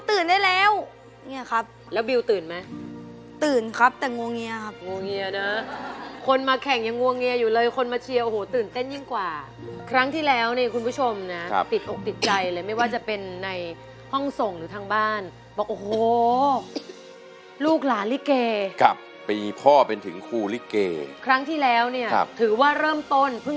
ตื่นได้แล้วเนี่ยครับแล้วบิวตื่นไหมตื่นครับแต่งวงเงียครับงวงเงียนะคนมาแข่งยังงวงเงียอยู่เลยคนมาเชียร์โอ้โหตื่นเต้นยิ่งกว่าครั้งที่แล้วนี่คุณผู้ชมนะติดอกติดใจเลยไม่ว่าจะเป็นในห้องส่งหรือทางบ้านบอกโอ้โหลูกหลานลิเกครับตีพ่อเป็นถึงครูลิเกครั้งที่แล้วเนี่ยถือว่าเริ่มต้นเพิ่ง